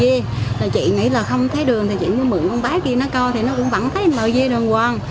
thì chị nghĩ là không thấy đường thì chị mới mượn con bái kia nó coi thì nó cũng vẫn thấy m a d đoàn quang